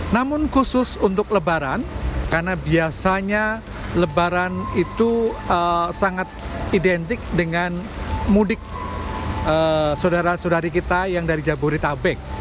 namun khusus untuk lebaran karena biasanya lebaran itu sangat identik dengan mudik saudara saudari kita yang dari jabodetabek